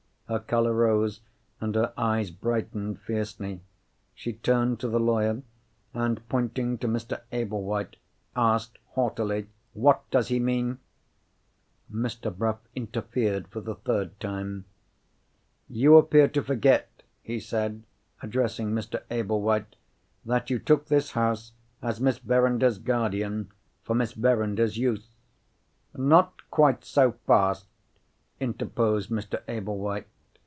Her colour rose, and her eyes brightened fiercely. She turned to the lawyer, and, pointing to Mr. Ablewhite, asked haughtily, "What does he mean?" Mr. Bruff interfered for the third time. "You appear to forget," he said, addressing Mr. Ablewhite, "that you took this house as Miss Verinder's guardian, for Miss Verinder's use." "Not quite so fast," interposed Mr. Ablewhite.